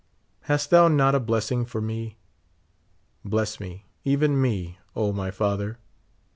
Hast thou not a blessing for me ? Bless me, even me, O my Father